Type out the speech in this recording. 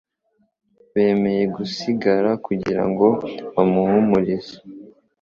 bemeye gusigara kugira ngo babahumurize.